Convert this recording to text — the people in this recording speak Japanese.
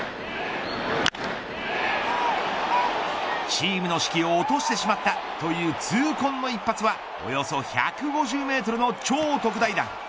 チームの士気を落としてしまったという痛恨の一発はおよそ１５０メートルの超特大打。